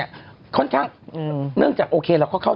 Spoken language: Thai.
พี่เราหลุดมาไกลแล้วฝรั่งเศส